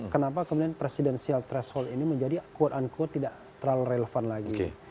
kenapa kemudian presidensial threshold ini menjadi quote unquote tidak terlalu relevan lagi